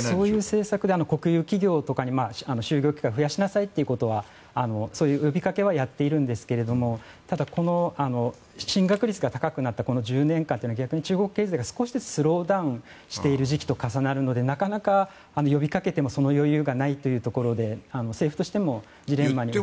そういう政策で国有企業とかに就業機会を増やしなさいという呼びかけはやっているんですけどもただ、進学率が高くなったこの１０年間は逆に中国経済が少しずつスローダウンしている時期と重なるのでなかなか呼びかけてもその余裕がないということで政府としてもジレンマに陥っています。